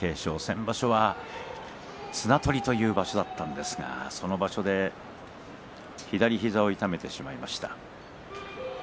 先場所は綱取りという場所だったんですがその場所で左膝を痛めてしまいました。